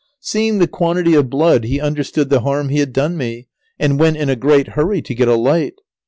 ] Seeing the quantity of blood he understood the harm he had done me, and went in a great hurry to get a light.